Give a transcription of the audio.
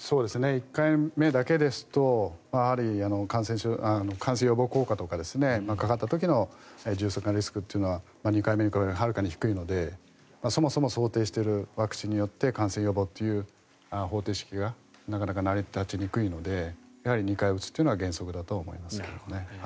１回目だけですとやはり感染予防効果とかかかった時の重症化のリスクは２回目に比べるとはるかに低いのでそもそも想定しているワクチンによって感染予防という方程式がなかなか成り立ちにくいのでやはり２回打つというのは原則だと思いますね。